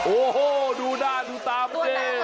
โอ้โหดูหน้าดูตามันดิ